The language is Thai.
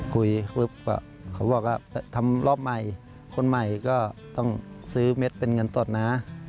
คุยปุ๊บเขาบอกว่าทำรอบใหม่คนใหม่ก็ต้องซื้อเม็ดเป็นเงินสดนะ